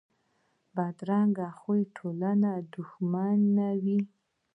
بدرنګه خوی د ټولنې دښمن وي